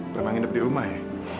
pernah nginep di rumah ya